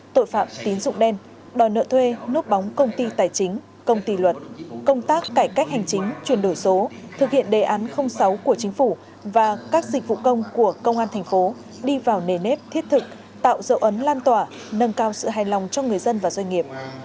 tội phạm tín dụng đen đòi nợ thuê nốt bóng công ty tài chính công ty luật công tác cải cách hành chính chuyển đổi số thực hiện đề án sáu của chính phủ và các dịch vụ công của công an thành phố đi vào nề nếp thiết thực tạo dấu ấn lan tỏa nâng cao sự hài lòng cho người dân và doanh nghiệp